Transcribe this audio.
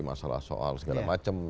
masalah soal segala macam